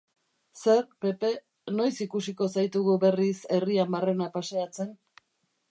Zer, Pepe, noiz ikusiko zaitugu berriz herrian barrena paseatzen?